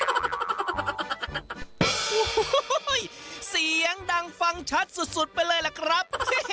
โอ้โหเสียงดังฟังชัดสุดไปเลยล่ะครับ